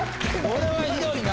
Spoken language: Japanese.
これはひどいな。